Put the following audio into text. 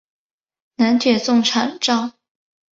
南铁送场站。